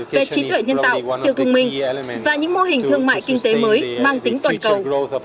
về trí tuệ nhân tạo siêu thông minh và những mô hình thương mại kinh tế mới mang tính toàn cầu